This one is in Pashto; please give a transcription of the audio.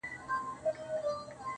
o چي بیا يې ونه وینم ومي نه ويني.